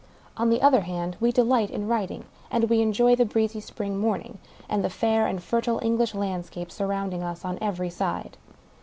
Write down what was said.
On the other hand, we delight in riding, arid we enjoy the breezy Spring morning and the fair and fertile English landscape surrounding us on every side.